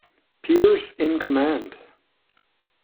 Pierce in command.